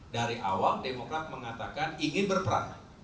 dari awal demokrat mengatakan ingin berperan